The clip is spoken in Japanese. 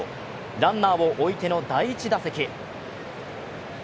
ランナーを置いての第１打席。